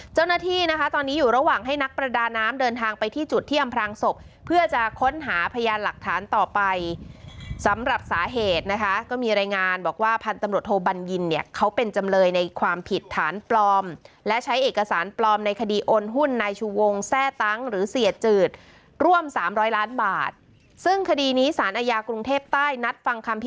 เจ้าหน้าที่นะคะตอนนี้อยู่ระหว่างให้นักประดาน้ำเดินทางไปที่จุดเที่ยมพลังศพเพื่อจะค้นหาพยานหลักฐานต่อไปสำหรับสาเหตุนะคะก็มีรายงานบอกว่าพันธบริโธบันยินเนี่ยเขาเป็นจำเลยในความผิดฐานปลอมและใช้เอกสารปลอมในคดีโอนหุ้นในชูงงแทร่ตังค์หรือเสียจืดร่วม๓๐๐ล้านบาทซึ่งคดีนี้สรรค์